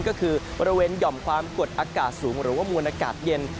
ก็คือบริเวณหย่อมความกดอากาศสูงหรือว่ามวลอากาศเย็น